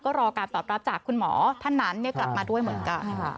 ก็รอการตอบรับจากคุณหมอท่านนั้นกลับมาด้วยเหมือนกัน